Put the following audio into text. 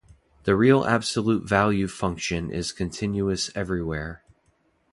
The real absolute value function is continuous everywhere.